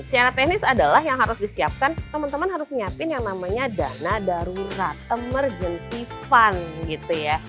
secara teknis adalah yang harus disiapkan teman teman harus nyiapin yang namanya dana darurat emergency fund gitu ya